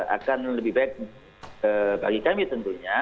akan lebih baik bagi kami tentunya